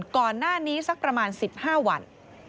ก่อนหน้านี้สักประมาณ๑๕วัน